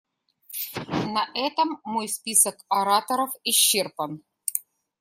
На этом мой список ораторов исчерпан.